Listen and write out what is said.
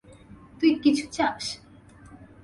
তুই কিছু চাস!